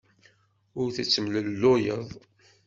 Ur tettemlelluyeḍ.